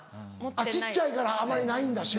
小っちゃいからあんまりないんだ種類。